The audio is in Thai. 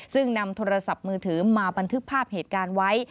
ซึ่งนำโทรศัพท์มือถือมาบันทึกภาพเหตุการณ์ไว้